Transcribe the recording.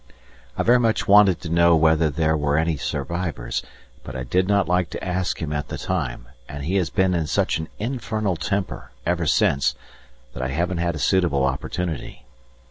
I very much wanted to know whether there were any survivors, but I did not like to ask him at the time and he has been in such an infernal temper ever since that I haven't had a suitable opportunity.